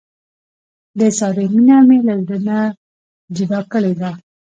د سارې مینه مې له زړه نه جدا کړې ده.